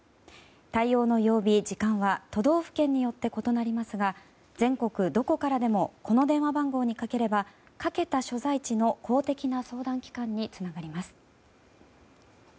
対応の曜日、時間は都道府県によって異なりますが全国どこからでもこの電話番号にかければかけた所在地の公的な相談機関につながります。